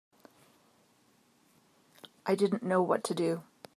I didn't know what to do.